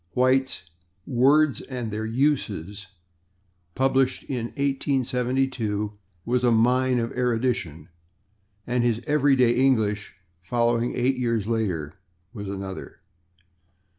White's "Words and Their Uses," published in 1872, was a mine of erudition, and his "Everyday English," following eight years later, was another.